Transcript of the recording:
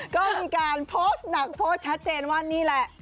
ก็มีการโพสต์หนักโพสต์ชัดเจนว่านี่แหละ